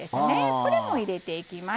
これも入れていきます。